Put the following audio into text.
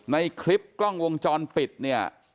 ในคลิปกล้องวงจรปิดเนี่ย